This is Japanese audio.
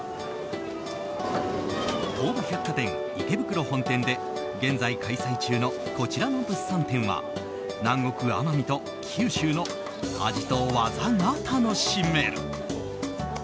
東武百貨店池袋本店で現在開催中のこちらの物産展は南国・奄美と九州の味と技が楽しめる。